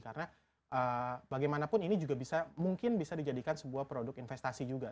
karena bagaimanapun ini juga bisa mungkin bisa dijadikan sebuah produk investasi juga